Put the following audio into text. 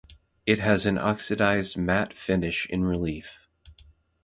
It has an oxidized matte finish in relief.